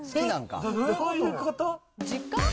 どういうこと？